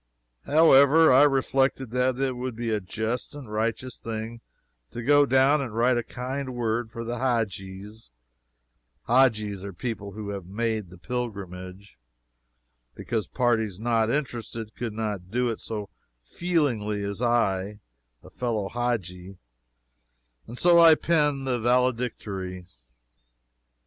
However, I reflected that it would be a just and righteous thing to go down and write a kind word for the Hadjis Hadjis are people who have made the pilgrimage because parties not interested could not do it so feelingly as I, a fellow Hadji, and so I penned the valedictory.